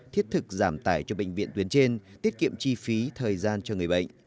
thiết thực giảm tải cho bệnh viện tuyến trên tiết kiệm chi phí thời gian cho người bệnh